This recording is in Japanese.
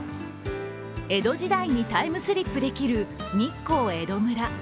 江戸時代にタイムスリップできる日光江戸村。